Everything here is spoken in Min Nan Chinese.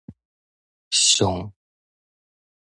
上